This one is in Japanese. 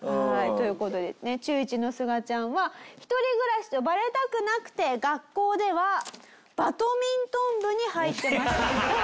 という事でね中１のすがちゃんは一人暮らしとバレたくなくて学校ではバドミントン部に入ってました。